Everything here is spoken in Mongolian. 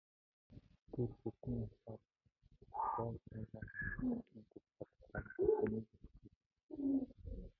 Тэр хэдэн арьсаар боольхойгоо халхална гэж бодож байгаа бол дэмий байлгүй.